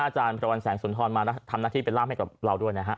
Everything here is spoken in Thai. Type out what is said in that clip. อาจารย์พระวันแสงสุนทรมาทำหน้าที่เป็นร่ามให้กับเราด้วยนะฮะ